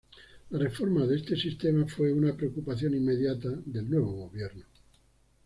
La reforma de este sistema fue una preocupación inmediata del nuevo gobierno.